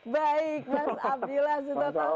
baik mas abdillah